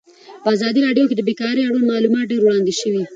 په ازادي راډیو کې د بیکاري اړوند معلومات ډېر وړاندې شوي.